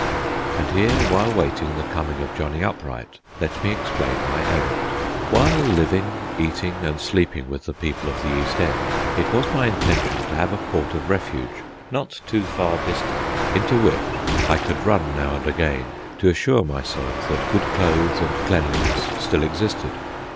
And here, while waiting the coming of Johnny Upright, let me explain my errand. While living, eating, and sleeping with the people of the East End, it was my intention to have a port of refuge, not too far distant, into which I could run now and again to assure myself that good clothes and cleanliness still existed.